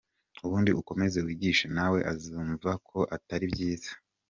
Ubundi ukomeze wigishe Nawe azumvako atari byiza.